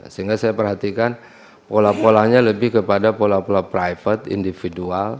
sehingga saya perhatikan pola polanya lebih kepada pola pola private individual